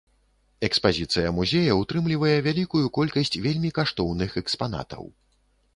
Экспазіцыя музея ўтрымлівае вялікую колькасць вельмі каштоўных экспанатаў.